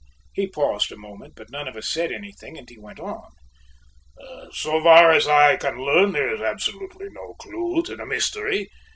He paused a moment, but none of us said anything, and he went on: "So far as I can learn there is absolutely no clue to the mystery.